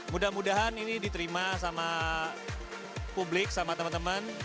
mudah mudahan ini diterima sama publik sama teman teman